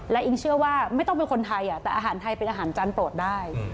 และอิงเชื่อว่าไม่ต้องเป็นคนไทยแต่อาหารไทยเป็นอาหารจานโปรดได้